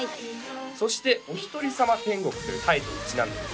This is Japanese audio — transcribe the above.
そして「おひとりさま天国」というタイトルにちなんでですね